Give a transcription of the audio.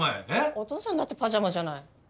お父さんだってパジャマじゃない。